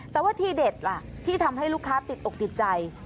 แต่ว่าทีเด็ดล่ะที่ทำให้ลูกค้าติดอกติดใจ